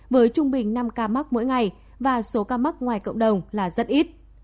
với trung bình năm ca mắc mỗi ngày và số ca mắc ngoài cộng đồng là rất ít